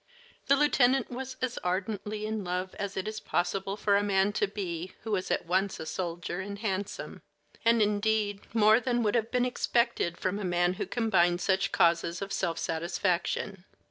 The lieutenant was as ardently in love as it is possible for a man to be who is at once a soldier and handsome, and indeed more than would have been expected from a man who combined such causes of self satisfaction.